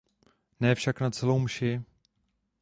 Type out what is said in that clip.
Ne však na celou mši.